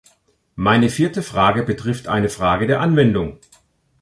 Meine vierte Frage betrifft eine Frage der Anwendung.